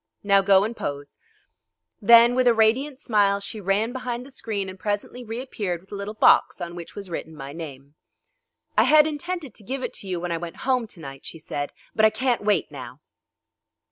Now go and pose," Then with a radiant smile she ran behind the screen and presently reappeared with a little box on which was written my name. "I had intended to give it to you when I went home to night," she said, "but I can't wait now."